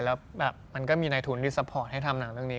แล้วมันก็มีในทุนริสต์สปอร์ตให้ทำหนังเรื่องนี้